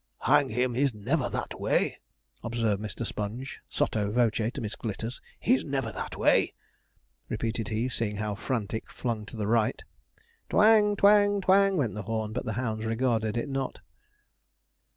'Hang him! he's never that way!' observed Mr. Sponge, sotto voce, to Miss Glitters. 'He's never that way,' repeated he, seeing how Frantic flung to the right. 'Twang twang twang,' went the horn, but the hounds regarded it not.